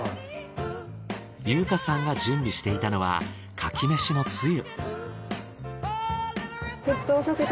優華さんが準備していたのは牡蠣飯のつゆ。